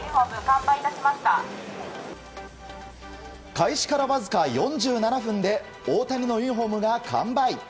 開始からわずか４７分で大谷のユニホームが完売。